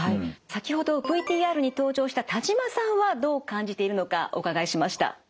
先ほどＶＴＲに登場した田島さんはどう感じているのかお伺いしました。